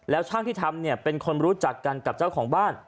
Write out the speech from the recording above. แล้วช่างที่ทำเนี่ยเป็นคนรู้จักกันกับเจ้าของบ้าน